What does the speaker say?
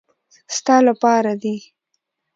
ستا له پاره دي .